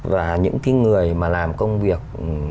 và những cái người mà làm công việc